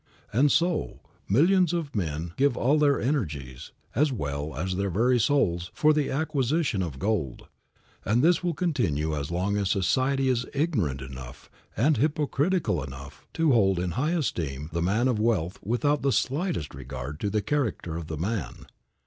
And so, millions of men give all their energies, as well as their very souls, for the acquisition of gold. And this will continue as long as society is ignorant enough and hypocritical enough to hold in high esteem the man of wealth without the slightest regard to the character of the man.